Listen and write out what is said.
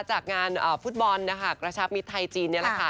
จากงานฟุตบอลนะคะกระชับมิตรไทยจีนนี่แหละค่ะ